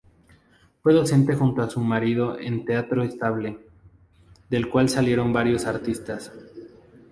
Fue docente junto a su marido en Teatro Estable, del cual salieron varios artistas.